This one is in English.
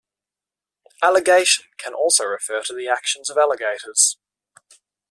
Alligation can also refer to the actions of alligators.